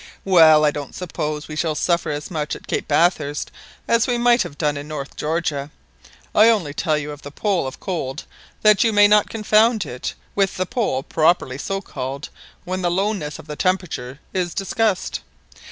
"Well, I don't suppose we shall suffer as much at Cape Bathurst as we might have done in North Georgia. I only tell you of the 'pole of cold,' that you may not confound it with the Pole properly so called when the lowness of the temperature is discussed.